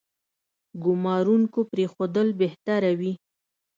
ګومارونکو پرېښودل بهتره وي.